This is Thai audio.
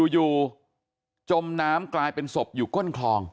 จมน้ำกลายเป็นศพอยู่ก้นคลอง